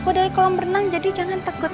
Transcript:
aku dari kolam renang jadi jangan takut